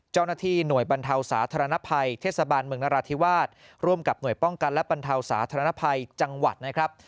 เจ้าหน้าที่หน่วยบรรเทาสาธารณภัยเทศบาลเมืองนราธิวาสร่วมกับหน่วยป้องกันและบรรเทาสาธารณภัยจังหวัดนะครับ